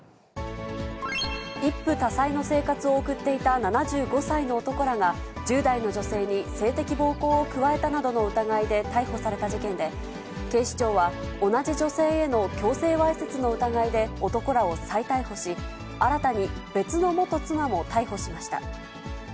一夫多妻の生活を送っていた７５歳の男らが、１０代の女性に性的暴行を加えたなどの疑いで逮捕された事件で、警視庁は同じ女性への強制わいせつの疑いで男らを再逮捕し、新たに別の元妻も逮捕しました。